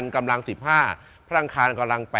กำลัง๖พระจันทร์๑๕พระรางคาร๘